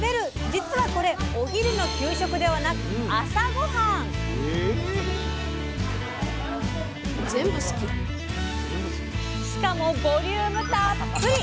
実はこれお昼の給食ではなくしかもボリュームたっぷり！